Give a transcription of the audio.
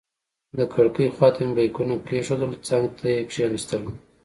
د کړکۍ خواته مې بیکونه کېښودل، څنګ ته کېناستم.